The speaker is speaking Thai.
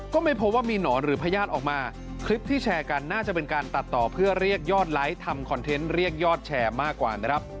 ก็ไม่พบว่ามีหนอนหรือพญาติออกมาคลิปที่แชร์กันน่าจะเป็นการตัดต่อเพื่อเรียกยอดไลค์ทำคอนเทนต์เรียกยอดแชร์มากกว่านะครับ